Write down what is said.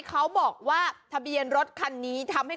เขาบอกว่า